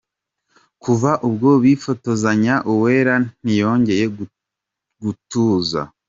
Kuva ubwo bifotozanya, Uwera ntiyongeye gutuza.